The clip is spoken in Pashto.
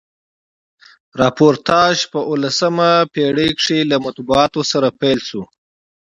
راپورتاژپه اوولسمه پیړۍ کښي له مطبوعاتو سره پیل سوی.